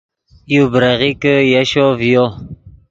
یو بریغیکے یشو ڤیو